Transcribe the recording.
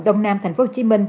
đông nam tp hcm